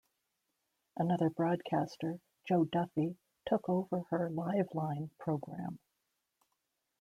Another broadcaster, Joe Duffy, took over her Liveline programme.